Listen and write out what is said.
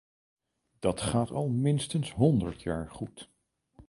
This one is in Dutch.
Dat gaat al minstens honderd jaar goed.